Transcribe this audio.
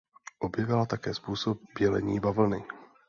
Objevila také způsob bělení bavlny.